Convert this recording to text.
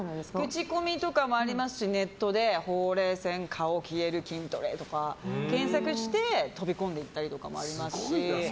口コミとかもありますしネットでほうれい線、顔消える、筋トレとか検索して飛び込んでいったりとかもありますし。